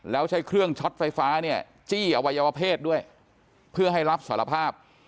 แล้วใช้เครื่องช็อตไฟฟ้าเนี่ยจี้อวัยวเพศด้วยเพื่อให้รับสารภาพ